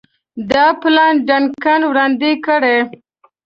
دا پلان ډنکن وړاندي کړ.